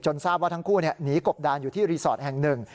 ทราบว่าทั้งคู่หนีกบดานอยู่ที่รีสอร์ทแห่งหนึ่ง